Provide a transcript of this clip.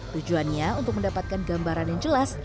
tujuannya untuk mendapatkan gambaran yang jelas